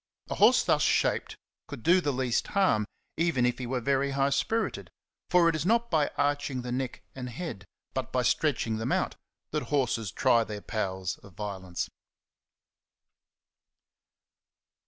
A horse thus shaped could do the least harm, even if he were very high spirited ; for it is not by arching the neck and head, but by stretching them out, that horses try their powers of violence.